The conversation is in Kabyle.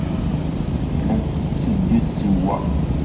La d-tetteddu tzawwa.